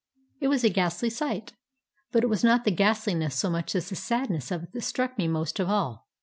It was a ghastly sight. But it was not the ghastliness so much as the sadness of it that struck mc most of all.